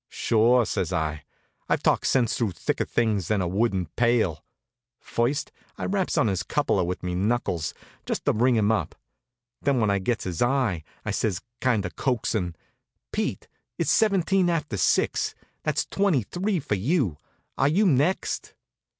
"Sure," says I. "I've talked sense through thicker things than a wooden pail." First I raps on his cupola with me knuckles, just to ring him up. Then, when I gets his eye, I says, kind of coaxin': "Pete, it's seventeen after six. That's twenty three for you. Are you next?"